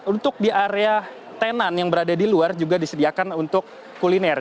untuk di area tenan yang berada di luar juga disediakan untuk kuliner